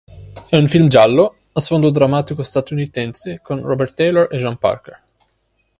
È un film giallo a sfondo drammatico statunitense con Robert Taylor e Jean Parker.